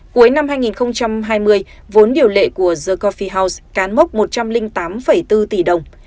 cuối năm hai nghìn hai mươi vốn điều lệ của the copy house cán mốc một trăm linh tám bốn tỷ đồng